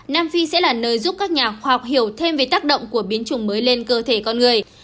nam phi sẽ là nơi giúp các nhà khoa học hiểu thêm về tác động của biến chủng mới lên cơ thể con người